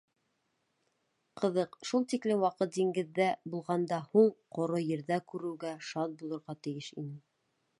Ҡыҙыҡ, шул тиклем ваҡыт диңгеҙҙә булғандан һуң ҡоро ерҙе күреүгә шат булырға тейеш инем.